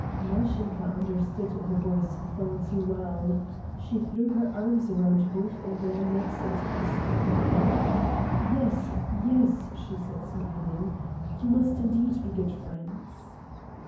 Mashinka understood the boy's thoughts well. She threw her arms round both their necks and kissed them. "Yes, yes," she said smiling, "you must indeed be good friends."